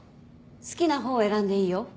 好きな方を選んでいいよ。